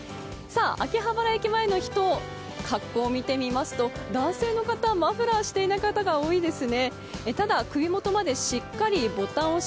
秋葉原駅前の人、格好を見てみますと男性の方はマフラーしていない方が多いですね。